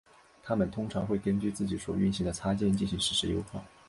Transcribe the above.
它们通常会根据自己所运行的插件进行实时优化。